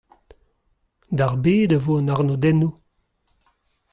D'ar bet e vo an arnodennoù ?